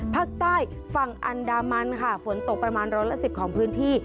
ภาคใต้ฝั่งอันดามันค่ะฝนตกประมาณร้อยละ๑๐ของพื้นที่